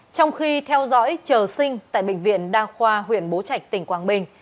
trong khi theo dõi chờ sinh tại bệnh viện đa khoa huyện bố trạch tỉnh quảng bình